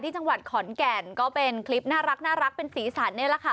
จังหวัดขอนแก่นก็เป็นคลิปน่ารักเป็นสีสันนี่แหละค่ะ